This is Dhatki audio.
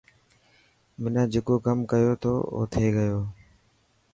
منا جڪو ڪم ڪيو ٿو او ٿي گيو.